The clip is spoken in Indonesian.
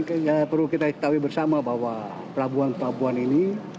tidak perlu kita ketahui bersama bahwa pelabuhan pelabuhan ini